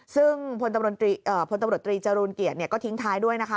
ซึ่งพลตำรวจตรีจรูลเกียรติก็ทิ้งท้ายด้วยนะคะ